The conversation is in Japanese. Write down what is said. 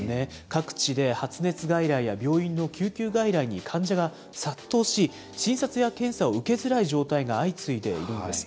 各地で発熱外来や病院の救急外来に患者が殺到し、診察や検査を受けづらい状態が相次いでいるんです。